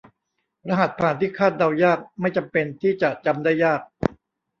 รหัสผ่านที่คาดเดายากไม่จำเป็นที่จะจำได้ยาก